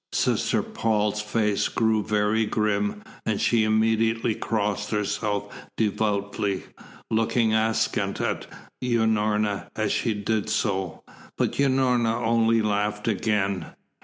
Sister Paul's face grew very grave, and she immediately crossed herself devoutly, looking askance at Unorna as she did so. But Unorna only laughed again.